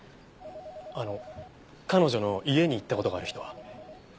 あの彼女の家に行った事がある人は？